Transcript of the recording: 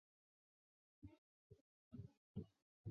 夜空通常是用来形容在夜晚看见的天空的一个专用术语。